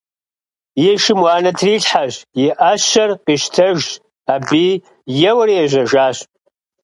И шым уанэ трилъхьэщ, и ӏэщэр къищтэжщ аби, еуэри ежьэжащ.